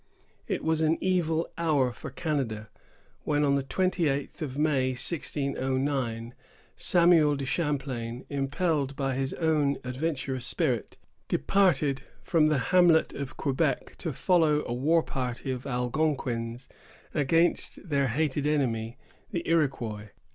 It was an evil hour for Canada, when, on the twenty eighth of May, 1609, Samuel de Champlain, impelled by his own adventurous spirit, departed from the hamlet of Quebec to follow a war party of Algonquins against their hated enemy, the Iroquois.